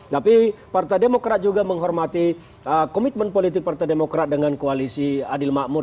tapi partai demokrat juga menghormati komitmen politik partai demokrat dengan koalisi adil makmur